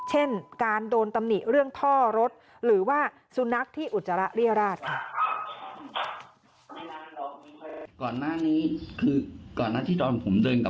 เช่นการโดนตำหนิเรื่องท่อรถ